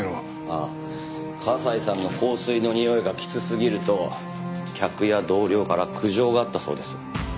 ああ笠井さんの香水のにおいがきつすぎると客や同僚から苦情があったそうです。